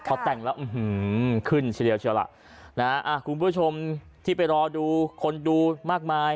เขาแต่งแล้วขึ้นเฉียวล่ะคุณผู้ชมที่ไปรอดูคนดูมากมาย